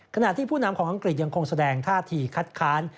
ขณะที่ผู้นำของอังกฤษยังคงแสดงท่าทีคัดค้าน